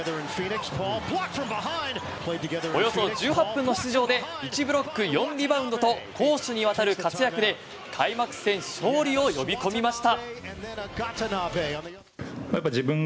およそ１８分の出場で１ブロック４リバウンドと攻守にわたる活躍で開幕戦勝利を呼び込みました。